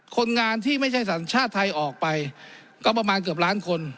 คนงานที่ไม่ใช่สัญชาติไทยออกไปก็ประมาณเกือบล้านคน